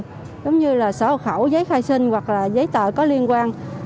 giấy tờ giống như là sở hộ khẩu giấy khai sinh hoặc là giấy tờ có liên quan